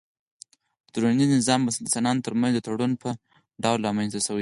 د ټولنيز نظام بنسټ د انسانانو ترمنځ د تړون په ډول رامنځته سوی دی